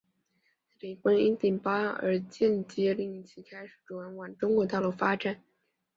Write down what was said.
谢霆锋因顶包案而间接令其开始转往中国大陆发展。